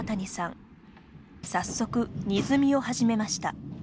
早速荷積みを始めました。